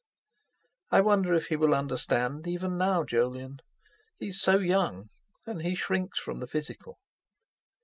"I wonder if he will understand, even now, Jolyon? He's so young; and he shrinks from the physical."